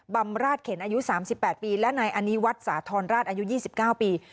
ำราชเข็นอายุ๓๘ปีและนายอนิวัฒน์สาธรณราชอายุ๒๙ปี